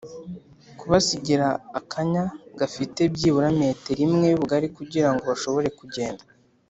kubasigira akanya gafite byibura metero imwe y ubugari kugira ngo bashobore kugenda